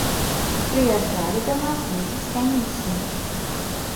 Прыязджалі да нас людзі з камісіі.